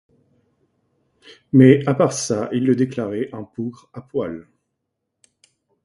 Mais, à part ça, il le déclarait un bougre à poils.